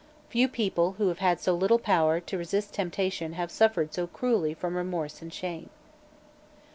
Few people who have had so little power to resist temptation have suffered so cruelly from remorse and shame.